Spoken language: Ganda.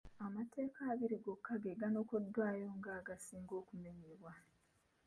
Amateeka abiri gokka ge ganokoddwayo nga agasinga okumenyebwa.